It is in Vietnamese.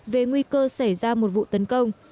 về nguy cơ xảy ra một vụ tấn công